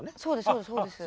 そうですそうです。